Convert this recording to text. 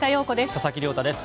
佐々木亮太です。